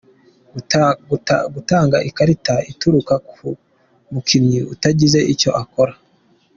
Gutanga ikarita itukura ku mukinnyi utagize icyo akora.